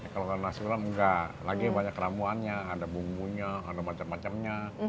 kalau nasi film enggak lagi banyak ramuannya ada bumbunya ada macam macamnya